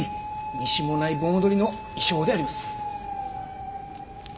西馬音内盆踊りの衣装であります。